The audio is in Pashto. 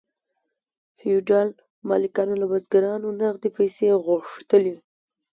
فیوډال مالکانو له بزګرانو نغدې پیسې غوښتلې.